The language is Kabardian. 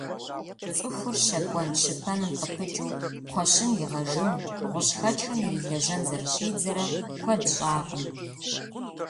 ЦӀыхур щэкӀуэн-щыпэным къыпыкӀыу, кхъуэщын игъэжын, гъущӀхэкӀхэм ирилэжьэн зэрыщӀидзэрэ куэд щӀакъым.